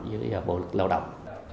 với bộ lực lao động